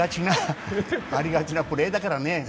ありがちなプレーだからね